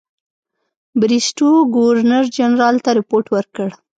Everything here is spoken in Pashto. بریسټو ګورنرجنرال ته رپوټ ورکړ.